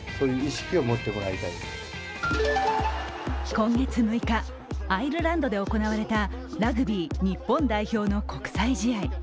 今月６日、アイルランドで行われたラグビー日本代表の国際試合。